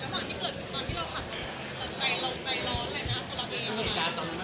แล้วหลังจากที่เกิดตอนที่เราหักใจร้อนอะไรอย่างนี้ครับ